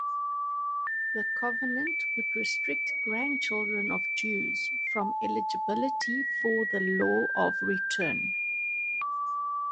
The covenant would restrict grandchildren of Jews from eligibility for the Law of Return.